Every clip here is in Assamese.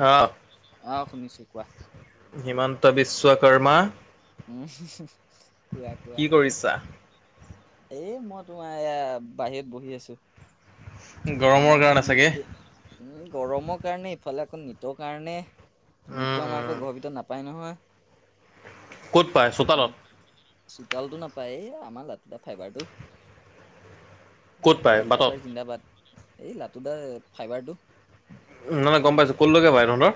হ অ', শুনিছোঁ কোৱা। বিশশ্বকৰ্মা উম [unintelligible] কি কৰিছা? এ' মই তোমাৰ এয়া বাহিৰত বহি আছো। আমাৰ গৰমৰ আকৌ কাৰণে নেট চাগে? গৰমৰ কাৰণে ইফালে এখন নীটৰ কাৰণে, উম নীটটো আমাৰ উম আকৌ ঘৰ ভিতৰত নাপায় নহয়। ক'ত পায় চোতালত। চোতালতটো নাপায় এই আমাৰ লাটো দা ফাইবাৰটো ক'ত লাতু পায় দা বাটত ফাইবাৰ জিন্দাবাদ এই লাতুদা ফাইবাৰটো নাই নাই গম পাইছো কলৈকে ভাই তহঁতৰ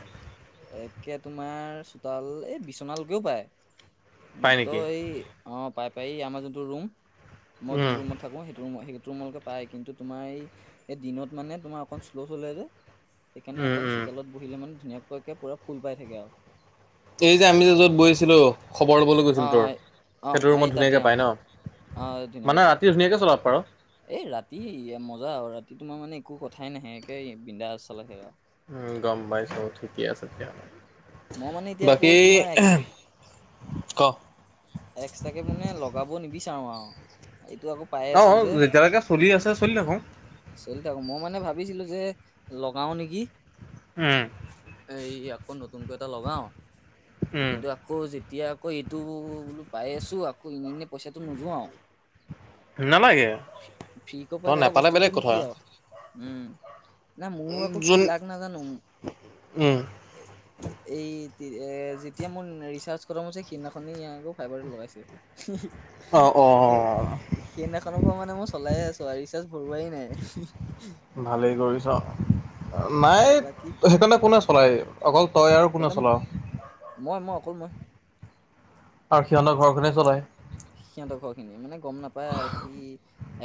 একে তোমাৰ চোতাল এই বিচনাালকেও পায় পায় মাত্ৰ নেকি এই অ' পাই পাই আমাৰ যোনটো ৰুম মই উম যোনটো ৰুমত থাকো সেইটো ৰুমত সেই তমলকে পাই কিন্তু তোমাৰ এই এই দিনত মানে তোমাৰ অকণ শ্ল' চলে যে সেইকাৰণে উম অকণ উম চোতালত বহিলে মানে ধুনীয়াকাকে পুৰা ফুল পাই থাকে আৰু এই যে আমি যে য'ত বৈছিলো খবৰ ল'বলৈ গৈছিলো তোৰ। অ', অ', সেইটো ৰুমত এই তাতে ধুনীয়াকে পাই অ', ন মানে ৰাতি ধুনীয়াকে চলপ। এ ৰাতি মজা আৰু ৰাতি তোমাৰ মানে একো কথাই নাহে একে বিধা আ চালে সে আৰু উম গম পাইছব ঠিকে আছে। মই মানে এতিয়া আকৌ বাকী তোমাৰ এক্স ক, এক্সট্ৰাকে মানে লগাব নিবিচাৰো আৰু। এইটো আকৌ পাই অ আছো যে যেতিয়ালৈকে চলি আছে চলি থাকক চলি থাকো মই মানে ভাবিছিলো যে। লগাও নেকি উম এই আকৌ নতুন নতুনকৈ এটা লগাও উম কিন্তু আকৌ যেতিয়া আকৌ এইটো বোলো পাই আছো আকৌ ইমানকে পইচাটো নোযোৱাও নালাগে ফ্ৰীকৈ পাই তই থকা নাপালে বেলেগ বস্তুটোনো কি কথা আৰু উম, না মোৰো আকৌ কি যোন লাাগ নাজানো উম এই। এ যেতিয়া মোৰ ৰিচাৰ্জ কৰা মোৰ যে সেইদিনাখনে ই আকৌ ফাইবাৰত লগাইছে। অ', সেই অ', সেইদিখনৰ পৰা মানে মই চলাইে আছো আৰু ৰিচাৰ্জ ভৰোৱাই নাই। ভালেই কৰিছ নাই এ, সেইকাৰণে কোনে চলায় অকল। তই আৰু কোনে সেইকাৰণে চলাও মই- মই অকল মই আৰু সিহঁতৰ ঘৰখনে চলায়। সিহঁতৰ ঘৰখিনি মানে গম নাপায় সি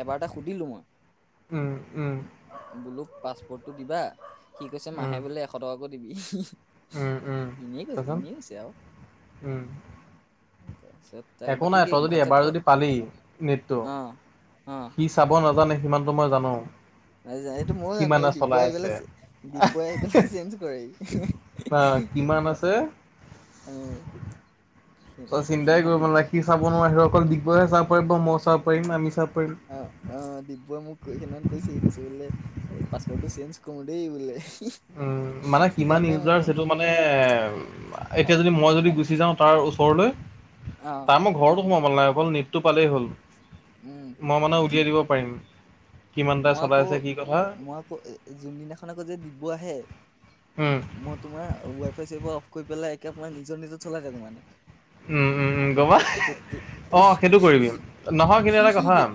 এবাৰ এটা সুধিলো মই। উম উম পাছপোৰ্টটো দিবা সি কৈছে উম, মাহে বোলে এশ টকাকো দিবি উম, উম, এনেই কৈছে তাৰপিছত এনেই কৈছে আৰু। উম, একো বাকী নাই কি তই যদি ভাত চাত এবাৰ যদি খোৱা পালি নেটটো অ অ সি চাব নাজানে সিমানতটো মই জানো। ন এইটো ময়ো জানো কিমানে এই ডিবুৱ চলাই আহি আছে পেলাই ডিবুৱাই আহি পেলাই চেঞ্জ কৰে বা কিমান আছে অ' তই চিন্তাই সিদিনাখন কৰিব ডিব মানে সি চাব নোৱাৰাৰে সি অকল দিগবহে চাব। পাৰ মই চাব পাৰিম আমি চাব পাৰিম। ক সত কৈছে সি কৈছে বোলে এই পাছপৰ্টটো চেঞ্জ কৰো দেই বোলে। উম মানে সি কিমান জানে ইউজাৰ মোৰ সেইটো মানে। এতিয়া চাও যদি মই যদি গুচি যাওঁ তাৰ। ওচৰলৈ অ তাই মই ঘৰতো সোমাব নাই অকল নীটটো পালেই হ'ল। উম মই মানে উলিয়াই দিব পাৰিম। কিমানটা মই চলাই আকৌ আছে কি কথা মই আকৌ এ যোনদিনাখন আকৌ যে দিব আহে। উম মই তোমাৰ ৱাই ফাই চাৰ অফ কৰি পেলাই একে মই নিজৰ নিজৰ চলাই থাকো মানে উম উম গবা তে- তে- অ সেইটো কৰিবি সি নহয় কিন্তু সি এটা সি কথা। দে-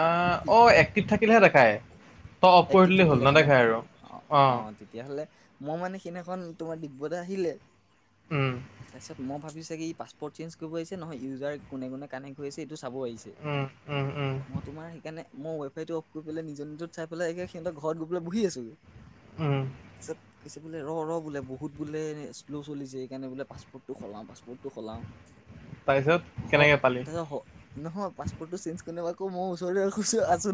অহ কি অ একটিভ থাকিলেহে দেখায় তই অফ কৰি এক্টিভ দিলেই থাকিল হ'ল দেখা ন অ নেদেখায় আৰু -অ তেতিয়াহলে মই মানে সেইদিনাখন তোমাৰ দিব্যতা আহিলে উম তাৰপিছত মই ভাবিছো। কি পাছপৰ্ট চে্জ কৰিব আহছে নহয় ইউজাৰ কোনে কো কানেক্ট আছে এইটো। উম উম উম [inaudible] বোলে এই সহত ঘৰত গ পলৈ বহি আছোে উম! ৰ' ৰ' বোলে, বহুত বোলে, বহুত বোলে শ্ল' চলিছে। সেইকাৰণে বোলে, পাছপৰ্টটো সলাওঁ, পাছপৰ্টটো সলাওঁ। তাৰপিছত হয়। কেনেকে পালি তাৰপাছত নহয়, পাছপৰ্টটো চেঞ্জ কৰিব আকৌ মই [unintelligible] খুচু আছোঁ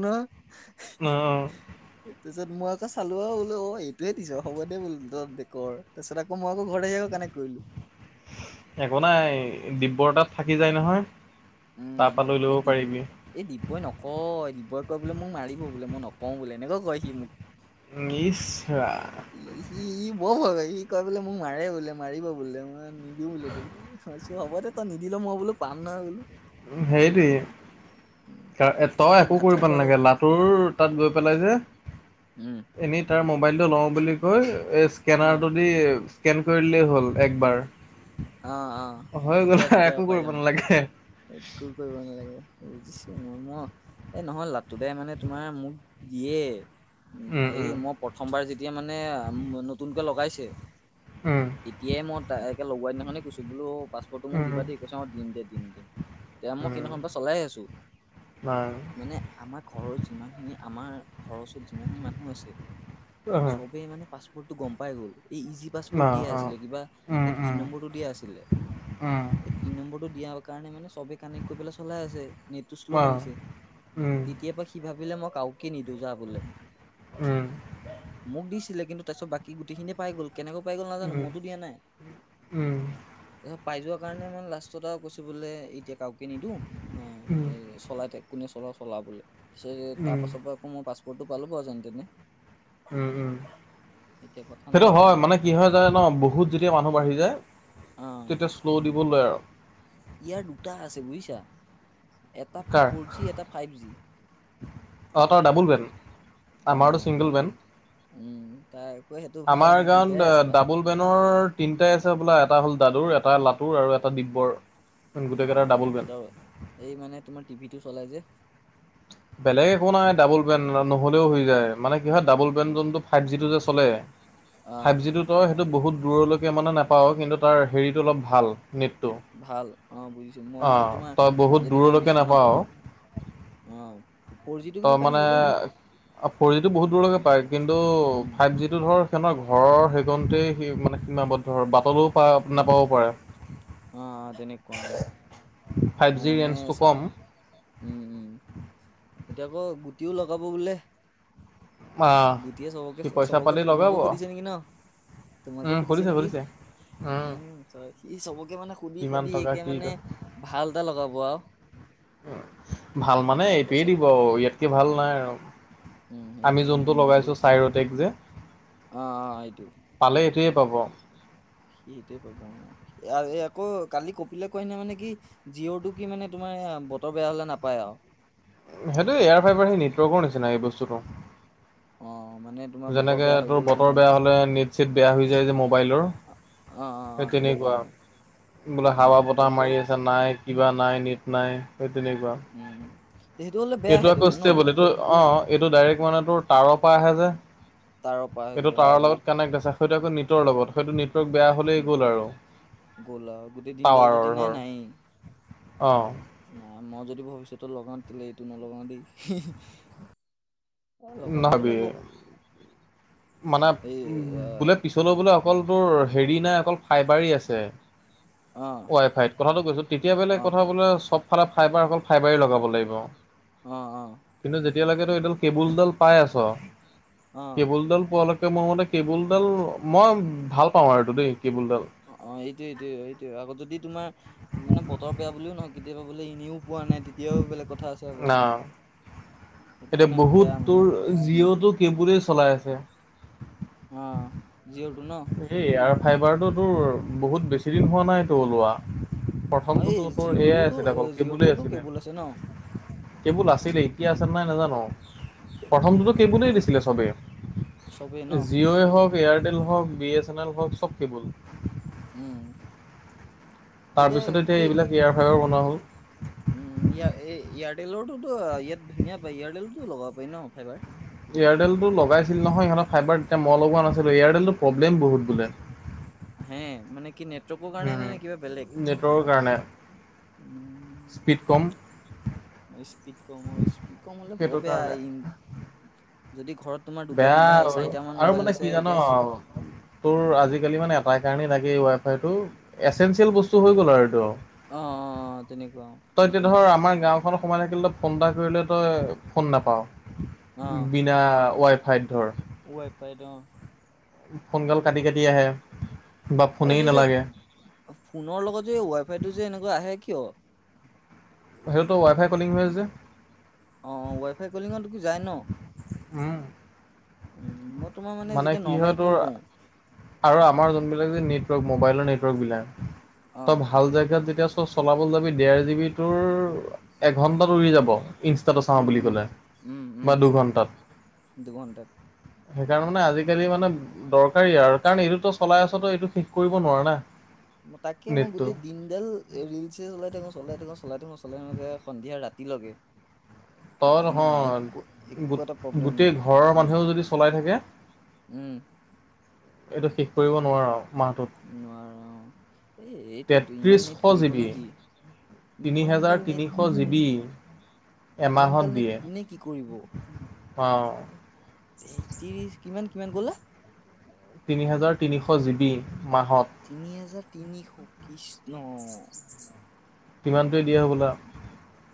অ ন'। অ'! তাৰপিছত, মই আকৌ চালো আৰু বোলো, অ'! এইটোৱে দিছ, হ'ব দে বোলো। ত' [unintelligible] তাৰ পিছত, আকৌ মই ঘৰত আহি কানে কানেক্ট কৰিলোঁ। একো নাই। দিব্যৰ তাত থাকি যায় নহয়। তাৰপা লৈ ল'ব এ, দিব পাৰিবি এই দিব্যই নকয়। দিব্যই কয় বোলে, মোক মাৰিব বোলে, মই নকওঁ বোলে। এনেকেও কয়, সি মোক। [unintelligible] সি, ই বৰ হয়, সি কয় বোলে, মোক মাৰে বোলে, মাৰিব বোলে। মই নিদিওঁ বোলে তোক। হ'ব দে তই নিদিলও, মই বোলো, পাম নহয় বোলো। উম, উম, সেইটোৱে তই বাকী একো ভাত চাত কৰিব খোৱা হ'ল নালাগে। লটোৰ তাত গৈ পেলাই যে উম এনেই তাৰ ম ম'বাইলটো লও বুলি কয়, অ স্কেনাৰটো দি স্কেন কৰি দিলে হ'ল একবাৰ। অ অ হৈ গ'ল, তেতিয়া তেতিয়া একো পাই কৰিব যাম নালাগে। একো কৰিব নালাগে। বুজিছোঁ মই, মই এ নহয় লাটোদাই মানে, তোমাৰ মোক দিয়ে। উম, এই উম, মই প্ৰথমবাৰ যেতিয়া মানে, নতুনকে লগাইছে। উম, তেতিয়াই, মই একে লগোৱাা দিনাখনে কৈছোঁ বোলো পাছপৰ্টটো মোক দিবা উম, দেই। কৈছে, অ'! দিম দে, দিম দে, মই উম, সেইদিনাখন পৰা চলাই আছোঁ। নাই মানে, আমাৰ ঘৰৰ যিমানখিনি, আমাৰ ঘৰৰ ওচৰত যিমানখিনি মানুহ আছে অ', চবে মানে, পাছপোৰ্টটো গম পাই গ'ল। এই, ইজি ন পাছপোৰ্ট দিয়ে আছিলে। অ'। কিবা উম, এই পিন উম, নম্বৰটো দিয়া উম, পিন নম্বৰটো দিয়া কাৰণে মানে চবে কানেক্টে কৰিবলে চলাই আছে। নেটটো শ্ল' অ', মাৰিছে। উম, তেতিয়াৰ পৰা সি ভাবিলে, মই নিদিওঁ যা বোল। উম, মোক দিছিলে, কিন্তু, তাৰপিছত বাকী গোটেই খিনিয়ে পাই গ'ল। কেনেকৈ পাই গ'ল নাজানোঁ উম। মইতো দিয়া নাই। উম, উম, তাৰপিছত পাই যোৱা কাৰণে মানে, লাষ্টত আৰু কৈছে বোলে, এতিয়া কাৰোকে নিদিওঁ। উম, এ, চলাইতে কোনে, চলা চলা বোলে। পিছে, তাৰপাছৰ পৰা আকৌ, মই পাছপৰ্টটো পালো বাৰু যেনেতেনে। উম, উম, কথা নাই সেইটো বাৰু হয়। সেয়া। মানে, কি হয় যে, ন' বহুত যেতিয়া মানুহ বাঢ়ি যায় অ' তেতিয়া শ্ল' দিব লয় আৰু। ইয়াৰ দুটা আছে বুজিছা! এটা কাৰ ফৰজি, এটা ফাইভ জি। অ'! তাৰ ডাবোল বেন, আমাৰতো অ' ছিংগল মই বেন। উম তাই আকৌ সেইটো ভাল আমাৰ মোৰ দুইটাই গাঁৱত আছে ডাবোল পাছপৰ্ট। বেনৰ তিনটাই আছে হ'বলা। এটা হ'ল দাদুৰ, এটা লাতুৰ আৰু এটা দিব্যৰ। গোটেই কেইটাৰ অ'! Double Ben দিব্যদাও। এই মানে, তোমাৰ টিভিটো চলাই যে। বেলেগ একো নাই। ডাবোল বেন নহ'লেও হৈ যায়। মানে কি হয় ডাবোল অ' পেনজনটো ফাইভ জিটো যে চলে, ফাইভ অ'। জিটোতো সেইটো বহুত দূৰলৈকে মানে নাপাওঁ। কিন্তু তাৰ, হেৰিটো অলপ ভাল। নেটটো ভাল অ'! বুজিছোঁ। মই মানে, অঁ তোমাৰ তই বহুত যদি মই দূৰলৈকে বিচনটো নাপাৱ তই মানে, ফৰ জিটো বহুত দূৰলৈকে পায়। কিন্তু, উম, ফাইভ জিটো ধৰ সেইখনৰ ঘৰৰ সেইকণতেই সি মানে, সীমাবদ্ধ। বাটলেও পাই উম, নাপাবও পাৰে। অ' তেনেকুৱা। ফাইভ মই জি মানে, ৰেঞ্জটো চা কম উম! উম! এতিয়া আকৌ, গুটিও লগাব বোলে। আহ গুটিয়ে চবকে, সি পইচা চবকে, পালি লগাব তোমাকো সুধিছে নেকি ন'? তোমাকো সুধিছে নেকি! উম, [unintelligible] ই চবকে মানে সুধি কিমান সাধি টকা একে কি ক মানে ভাল এটা লগাব আৰু ভাল মানে তাৰ এইটোৱে পইচা দিব ইয়াতকে ভাল নাই আৰু উম, আমি সেইটোৱে ন যোনটো সি কৈ লগাইছোঁ চাইৰটেক যে অ', অ', এইটো পালে এইটোৱে পাব সেইটোৱে পাব অ আকৌ কালি কপিলে কয় ন মানে কি জিঅ'টো কি মানে তোমাৰ। বতৰ বেয়া হলে নাপায় আৰু। সেইটো এয়াৰ ফাইবাৰ সেই নেটৱৰ্কৰ নিচিনা এই বস্তুটো। অ মানে তোমাৰ বতৰ যেনেকে বেয়া হৈ তোৰ গ'ল বতৰ নহয় বেয়া হলে নেট চেট বেয়া হৈ যায় যে মোবাইলৰ। অ -অ -অ তেনেকুৱা মানে বোলে উম হাৱা বতাহ তেনেকুৱা মাৰি আছে নাই কিবা নাই নেট নাই। তেনেকুৱা উম তে সেইটো হ'লে এইটো বেয়াহে আকৌ দেখোন ন ষ্টেবল এইটো অ এইটো ডাইৰেক্ট মানে তোৰ। তাঁৰৰ পৰা আহে যে তাঁৰৰ পৰা হৈ এইটো যে অ তাঁৰৰ লগত কানেক্ট আছে সেইটো আকৌ নেটৰ লগত সেইটো নেট। নেটৱৰ্ক বেয়া হ'লেই উম, গ'ল আৰু গ'ল আৰু গোটেই দিনডাল যদি টাৱাৰৰ নাই ধৰ। নায়েই অ' নাই মই যদি ভৱিষ্যতত লগাও তেতিয়া এইটো নলগাওঁ দেই। এ [unintelligible] লগাবও লাগিব মানে এই অ বোলে পিছলৈ বোলে অকলটোৰ হেৰি নাই অকল ফাইবাৰেই আছে অ ৱাই ফাইত কথাটো কৈছো তেতিয়া বেলেগ অ কথা বোলে চব। ফালে ফাইবাৰ অকল ফাইবাৰে লগাব লাগিব অ -অ এতিয়ালৈকেতো এইডাল কেবুলডাল পাই আছ অ কেবুলডাল পোৱালৈকে। মোৰ মতে কেবুলডাল মই ভাল পাওঁ আৰু এইটো দেই। কেবুলডাল অ- অ এইটোয়ে এইটোয়ে এইটোয়ে আগত যদি তোমাৰ মানে বতৰ বেয়া বুলিও নহয় কেতিয়াবা বোলে এনেও। পোৱা নাই তেতিয়াও বেলেগ কথা আছে আকৌ। না সেইটো এতিয়া কাৰণে আকৌ বহুত বেয়া মানে তোৰ জিঅ'টো কেবোলে চলাই আছে। অ' জিঅ' এই এয়াৰ ফাইবাৰটো তোৰ বহুত বেছি দিন হোৱা নাইতো ওলোৱা। অ এই প্ৰথমটোতো তোৰ এয়াই জিঅ'টোতো আছিলে অকল কেবুলই জিঅ'টোতো আছিলে। কেবুল আছে ন কেৱল আছিলে এতিয়া আছে নাজানো। প্ৰথমটো কেবলেই আমাৰ দিছিলে চবে চবেই ন জিঅ' এ হক। এয়াৰটেল হওক বি এছ এন এল হওক চব কেবল। উম। তাৰপিছতে এতিয়া এইবিলাক এয়াৰফাইবাৰ বনোৱা হ'ল। এয়াৰটেলৰোতো ইয়াত ধুনীয়া পায় এয়াৰটেলতো লগাব পাৰি ন ফাইবাৰ। এয়াৰটেলটো লগাইছিল নহয় ইহঁতে ফাইবাৰ তেতিয়া মই লগোৱা নাছিলোঁ এয়াৰটেলটো প্ৰব্লেম বহুত বোলে। হে মানে কি নেট। উম নেটৱৰ্কৰ কাৰণে। উম স্পীড কম। স্পীড কম অ স্পীড কম হলে বৰ সেইটো বেয়া কাৰণে। যদি ঘৰত। তোমাৰ দুটা বেয়া তিনিটা চাৰিটা মান আৰু মোবাইল মানে আছে কি জান। একে চ- তোৰ আজিকালি মানে এটা কাৰণেই লাগে এই ৱাই ফাইতটো এচেঞ্চিয়েল বস্তু হৈ গ'ল আৰু এইটো। অ অ অ তেনেকুৱা অ তই এতিয়া ধৰ আমাৰ গাওঁখনত সোমাই থাকিল। ফোন এটা কৰিলে তই ফোন নাপাওঁ বিনা ৱাইফাইত ধৰ। ৱাইফাইটো ফোনগাল কাটি কাটি আহে বা এই ফোনেই এইটো যে নালাগে ফোনৰ লগত যে ৱাই ফাইটো যে এনেকুৱা আহে কিয় সেইটোতো ৱাইফাই কলিং হৈ আছে যে বুজাই ন উম উম ম মানে কি হয় তোৰ আৰু আমাৰ যোনবিলাক যে নে মোবাইলৰ নেটৱৰ্ক বিলাগ তই অ'। ভাল জাগত যেতিয়া চ সব চলাবলৈ যাবি ডেৰ জি বি তোৰ এঘন্টাত উৰি যাব। ইনষ্টাটো চাওঁ উম, বুলি উম, ক'লে উম, বা উম। দুঘণ্টাত দুঘণ্টাত। কাৰণ মানে আজিকালি মানে দৰকাৰী আৰু কাৰণ এইটোতো চলাই আছ তো এইটো থিক কৰিব নোৱাৰা না তাকে মই নেটটো গোটেই দিনডাল ৰিলচ এ চলাই থাক চলাই থাক চলাই থাক মই আ সন্ধিয়া ৰাতিলৈকে তই হ নাই একো একো এটা প্ৰব্লেম গোটেই নিদিয়ে। ঘৰৰ মানুহেও যদি চলাই থাকে উম এইটো শেষ কৰিব নোৱাৰ আও নোৱাৰ অ এই এইটোটো তেত্ৰিশ ইমান নেত জি কৰিব বি নো কি তিনি ইমান হেজাৰ গাল নেট তিনিশ কো- জি কোন বি ইমান এমাহত গাল নেট দিয়ে কোনে কি কৰিব অ তেত্ৰিশ কিমান কিমান কলা তিনি হাজাৰ তিনিশ জিবি তিনি হাজাৰ তিনিশ ত্ৰিশ ন কিমানটোৱে দিয়ে হ'বলা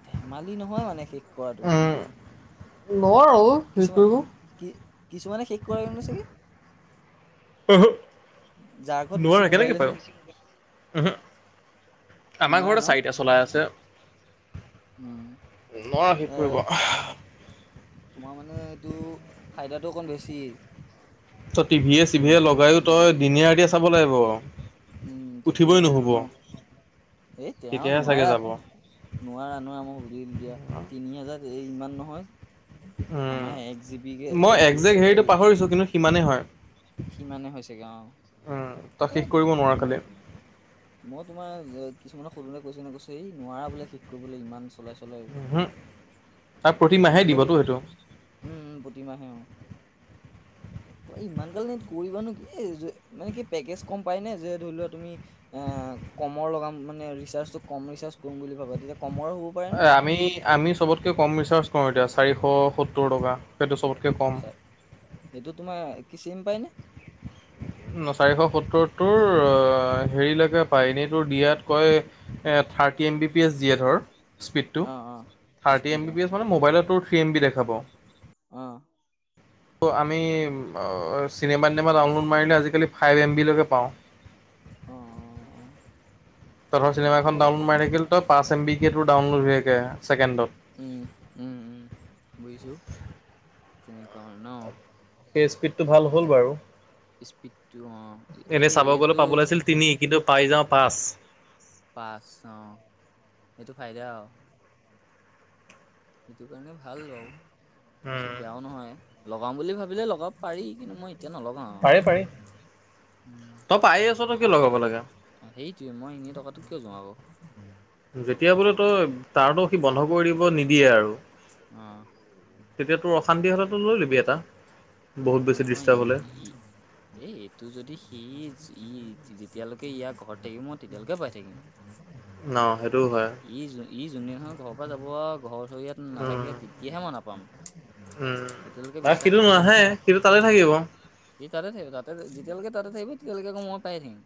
ধেমালি নহয় মানে শেষ কৰাটো উম নোৱাৰো শেষ কিছুমান কৰিব কি কিছুমানে শেষ কৰাৰ ন চাগে আহা যাৰ ঘৰত বেছি নোৱাৰা মোবাইল কেনেকে আছে পাৰ আহা আমাৰ নোৱাৰে ঘৰতে ন চাৰিটা চলাই আছে উম নোৱাৰ শেক এ কৰিব তোমাৰ মানে এইটো ফাইদাটো অকণ বেছি তই টিভিয়ে চিভিয়ে যোনটো লগাইও তই দিনেৰাতিয়ে চাব লাগিব উম উঠিবই তেতিয়াহে অ নুশুব ন এ তেওঁ তেতিয়াহে চাগে নোৱাৰা যাব নোৱাৰা নোৱা মোক সুধিলো দিয়া তিনি হাজাৰ এই ইমান নহয় আমাৰ এক জিবি কে এ, মই দু- এ, একজেক্ট হেৰিটো পাহৰিছোঁ কিন্তু সিমানেই হয়। সিমানে হৈ চাগে অ তাক এ শেষ কৰিব উম, নোৱাৰাকালে মই তোমাৰ কিছুমানে সধোনে কৈছে নে কৈছ এই নোৱাৰা বোলে শেষ কৰিবলৈ ইমান চলাইছো হলেও উহু আৰু প্ৰতি মাহেই আমাৰ দিবতো ঘৰিত সেইটো উম প্ৰতিমাহে অ [inaudible] ইমান কাল কৰিবা নো কি এ যে মানে কি পেকেজ কম পাই নে যে ধৰি লোৱা তুমি এ কমৰ লগাম মানে ৰিচাৰ্জটো কম ৰিচাৰ্জ কৰম বুলি ভাবে তেতিয়া কমৰো হ'ব পাৰে নে এ আমি আমি চবতকে কম ৰিচাৰ্জ কৰো এতিয়া চাৰিশ সত্তৰ টকা সেইটো চবতকে কম সেইটো তোমাৰ কি চিম পাই নে উ চাৰিশ সত্তৰটোৰ হেৰিলৈকে পায় এনেই তোৰ দিয়াত কয় থাৰ এম বি পি এছ দিয়ে ধৰ স্পীডটো অ অ থাৰ্টি স্পীড এম অ বি প এছ মানে মোবাইলতো থ্ৰী এম বি দেখাব অ ত' আমি চিনেমা দিনেমা ডাউনলোড মাৰিলে আজিকালি ফাইভ এম বি লৈকে পাওঁ উ অ তৰ মানে চিনেমাখন অকমান ডাউনলড মাৰি থাকিলি তোৰ পাঁছ এ বি কে ডাউনোড হৈ থাকে উম উম উম ছেকেণ্ডত বুজিছো তেনেকুৱা মানে ন সেই স্পীডটো ভাল হ'ল তাক বাৰু স্পীডটো অ এনে এই চাব গলে এইটো পাবলৈিছিল তিনি কিন্তু পাই যাওঁ পাঁচ। পাঁচ অ সেইটো ফাইদে আৰু। সেইটো কাৰণে ভাল বাৰ বেছি উম, বেয়াও নহয়। লগাম বুলি ভাবিলে লগাব পাৰি। কিন্তু মই এতিয়া নলগাওঁ পাৰি আৰু। পাৰি। উম। তই পায়ে আছ তই কিয় লগাব লাগে। সেইটোৱে মই এনেই টকাতটো কিয় যোয়াগৈ। যেতিয়া বোলে তই তাৰতো সি বন্ধ কৰি দিব নিদিয়ে আৰু। আহ। তেতিয়া তোৰ অশান্তি হলে লৈ লবি এটা। বহুত নহয়। বেছি নহয়, ডিষ্টাৰ্ব ই হ'লে। ই এ এইটো যদি সি। ই যেতিয়ালৈকে ইয়াৰ ঘৰত থাকিব মই তেতিয়ালৈকে পাই থাকিম। ন সেইটো। ই য ই যোনদিনাখন ঘৰৰ পৰা যাব ঘৰ ধৰিয়াত উম, নাথাকে। তেতিয়াহে মই নাপাম। উম এতিয়ালৈকে আৰু বিশ্বাস সিটো আছে নাহে বাৰু সিটো তাটে থাকিব। সি তাতে থাকিব, তাতে যেতিয়ালৈকে তাতে থাকিব, তেতিয়ালৈকে আকৌ মই পাই থাকিম।